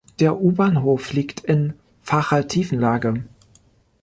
Der U-Bahnhof liegt in -facher Tiefenlage.